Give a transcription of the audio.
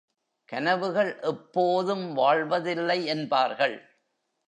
கனவுகள் எப்போதும் வாழ்வதில்லை என்பார்கள்.